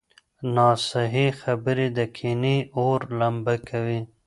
ناصحيح خبرې د کینې اور لمبه کوي.